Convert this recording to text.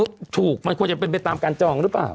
ถูกมันควรจะเป็นไปตามการจองหรือเปล่า